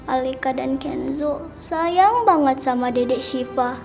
alika dan kenzo sayang banget sama dedek shiva